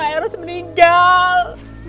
orang tua eros meninjal